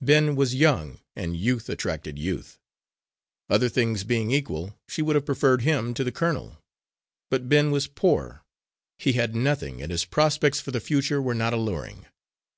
Ben was young, and youth attracted youth. Other things being equal, she would have preferred him to the colonel. But Ben was poor; he had nothing and his prospects for the future were not alluring.